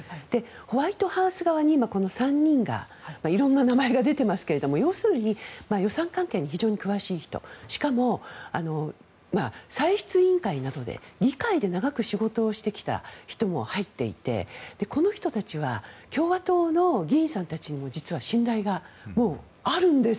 ホワイトハウス側に今、この３人が色んな名前が出てますが要するに予算関係に非常に詳しい人しかも、歳出委員会などで議会で長く仕事をしてきた人も入っていて、この人たちは共和党の議員さんたちの実は信頼がもうあるんです。